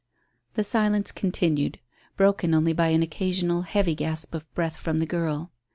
The silence continued, broken only by an occasional heavy gasp of breath from the girl.